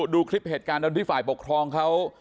ดูคลิปเหตุการณ์ตอนที่ฝ่ายปกครองเขา